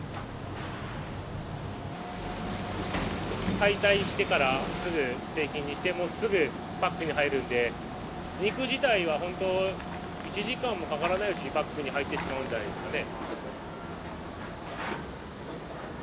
解体してからすぐ製品にしてもうすぐパックに入るんで肉自体はほんと１時間もかからないうちにパックに入ってしまうんじゃないですかね。